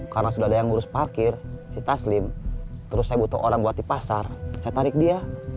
karena sudah ada yang ngurus parkir si taslim terus saya butuh orang buat di pasar saya tarik dia